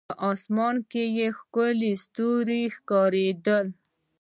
په اسمان کې لا ښکلي ستوري ښکارېده.